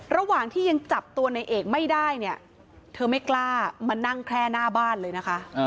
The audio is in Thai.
ระหว่างที่ยังจับตัวในเอกไม่ได้เนี่ยเธอไม่กล้ามานั่งแคร่หน้าบ้านเลยนะคะ